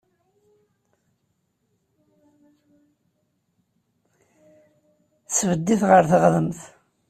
Tesbedd-it ɣer teɣdemt.